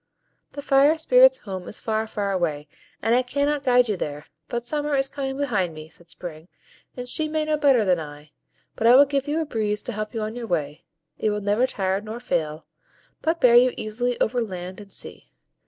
"The Fire Spirits' home is far, far away, and I cannot guide you there; but Summer is coming behind me," said Spring, "and she may know better than I. But I will give you a breeze to help you on your way; it will never tire nor fail, but bear you easily over land and sea.